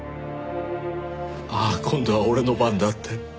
ああ今度は俺の番だって。